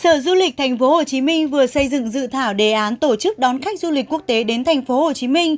sở du lịch tp hcm vừa xây dựng dự thảo đề án tổ chức đón khách du lịch quốc tế đến tp hcm